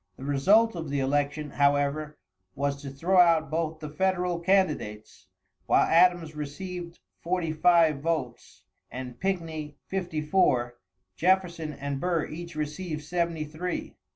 The result of the election, however, was to throw out both the federal candidates, while Adams receiving forty five votes and Pickney fifty four; Jefferson and Burr each received seventy three.